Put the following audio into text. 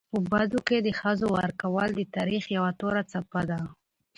په بدو کي د ښځو ورکول د تاریخ یوه توره څپه ده.